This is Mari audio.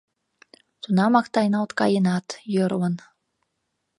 Тунамак тайналт каенат, йӧрлын.